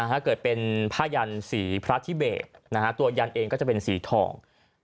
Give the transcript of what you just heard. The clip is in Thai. ถ้าเกิดเป็นผ้ายันสีพระทิเบกตัวยันเองก็จะเป็นสีทอง